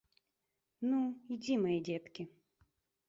Ну, ідзі, мае дзеткі!